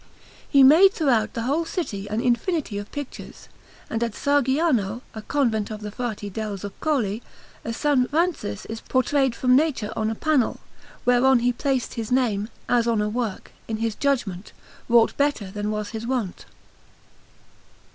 He made throughout the whole city an infinity of pictures, and at Sargiano, a convent of the Frati de' Zoccoli, a S. Francis portrayed from nature on a panel, whereon he placed his name, as on a work, in his judgment, wrought better than was his wont.